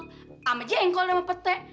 sama jengkol sama petek